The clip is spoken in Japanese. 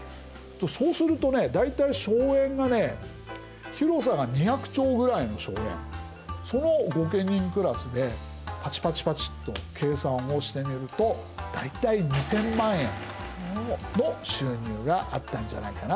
そうするとね大体荘園がね広さが二百町ぐらいの荘園その御家人クラスでパチパチパチと計算をしてみると大体２千万円の収入があったんじゃないかな。